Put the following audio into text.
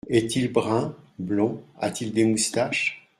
Est-il brun, blond ? a-t-il des moustaches ?